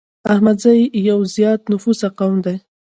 احمدزي يو زيات نفوسه قوم دی